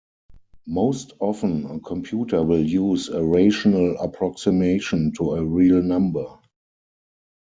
Most often, a computer will use a rational approximation to a real number.